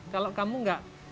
kalau kamu nggak bisa menunjukkan